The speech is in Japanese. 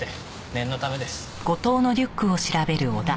念のためです。